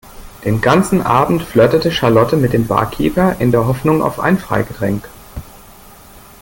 Den ganzen Abend flirtete Charlotte mit dem Barkeeper in der Hoffnung auf ein Freigetränk.